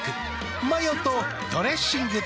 マヨとドレッシングで。